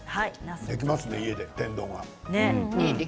できますね、家で天丼が。